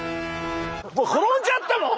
もう転んじゃったもん。